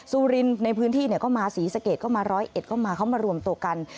สุรินในพื้นที่ก็มาศรีสะเกดก็มาร้อยเอ็ดก็มาเขามารวมตัวกัน